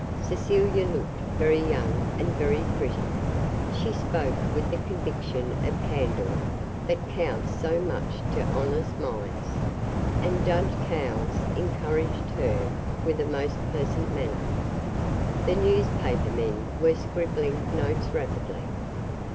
Cecilia looked very young and very pretty. She spoke with the conviction of candor that counts so much to honest minds, and judge Cowles encouraged her with a most pleasant manner. The newspaper men were scribbling notes rapidly.